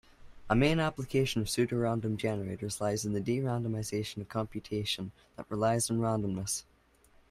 A main application of pseudorandom generators lies in the de-randomization of computation that relies on randomness.